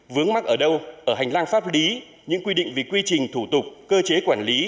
vướng mắt ở đâu ở hành lang pháp lý những quy định về quy trình thủ tục cơ chế quản lý